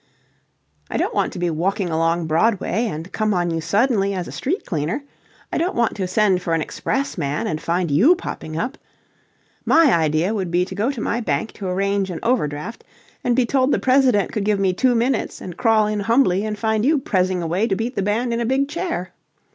I don't want to be walking along Broadway and come on you suddenly as a street cleaner. I don't want to send for an express man and find you popping up. My idea would be to go to my bank to arrange an overdraft and be told the president could give me two minutes and crawl in humbly and find you prezzing away to beat the band in a big chair.